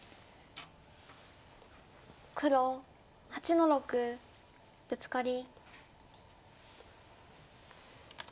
黒８の六ブツカリ。